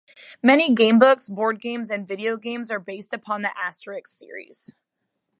Many gamebooks, board games and video games are based upon the "Asterix" series.